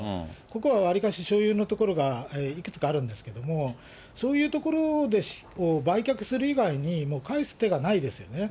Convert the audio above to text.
ここはわりかし所有のところがいくつかあるんですけれども、そういう所を売却する以外に、もう返す手がないですよね。